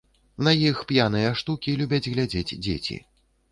На іх п'яныя штукі любяць глядзець дзеці.